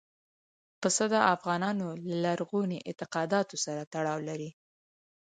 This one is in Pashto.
پسه د افغانانو له لرغونو اعتقاداتو سره تړاو لري.